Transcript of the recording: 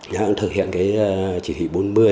đã thực hiện cái chỉ thị bốn mươi